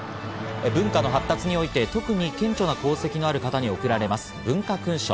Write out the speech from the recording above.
文化の発達において特に顕著な功績のある方に送られます、文化勲章。